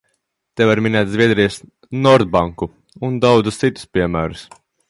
"Te var minēt Zviedrijas "Nordbanku" un daudzus citus piemērus."